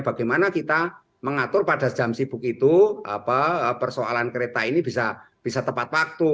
bagaimana kita mengatur pada jam sibuk itu persoalan kereta ini bisa tepat waktu